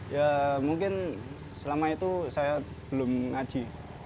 ya mungkin selama itu saya belum ngaji